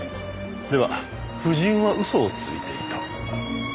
では夫人は嘘をついていた？